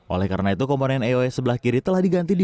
oleh karena itu komponen aoe sebelah kiri telah diganti di